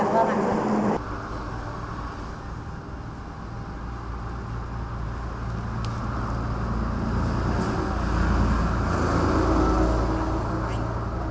dạ vâng ạ